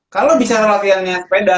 kalau bicara latihannya sepeda